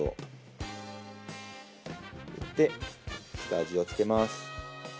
振って下味を付けます。